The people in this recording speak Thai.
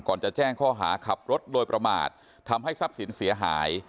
ก่อนจะแจ้งข้อหาขับรถโดยประมาททำให้ทรัพย์สินเสียหาย